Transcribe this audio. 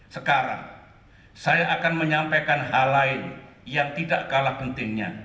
sekarang saya akan menyampaikan hal lain yang tidak kalah pentingnya